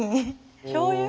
しょうゆ？